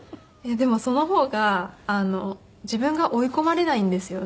でもその方が自分が追い込まれないんですよね。